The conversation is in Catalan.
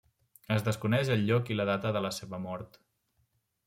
Es desconeix el lloc i data de la seva mort.